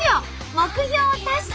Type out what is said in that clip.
目標達成！